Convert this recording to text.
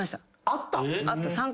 あった。